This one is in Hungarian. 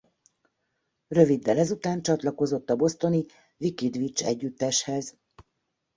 Röviddel ezután csatlakozott a bostoni Wicked Witch együtteshez.